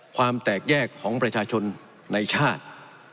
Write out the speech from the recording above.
ความแตกแยกของประชาชนในชาติ